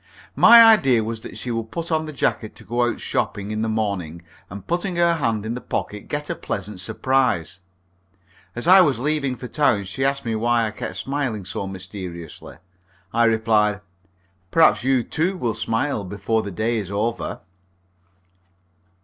My idea was that she would put on the jacket to go out shopping in the morning, and putting her hand in the pocket, get a pleasant surprise. As I was leaving for town, she asked me why I kept on smiling so mysteriously. I replied, "Perhaps you, too, will smile before the day is over."